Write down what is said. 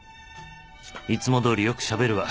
いつもどおりよくしゃべるわ。